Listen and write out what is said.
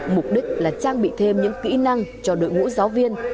mục đích là trang bị thêm những kỹ năng cho đội ngũ giáo viên